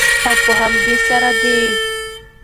او په همدې سره د